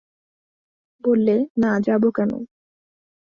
বললে, না, যাব কেন?